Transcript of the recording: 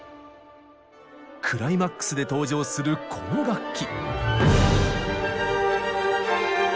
クライマックスで登場するこの楽器。